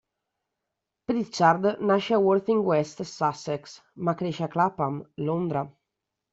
Pritchard nasce a Worthing, West Sussex, ma cresce a Clapham, Londra.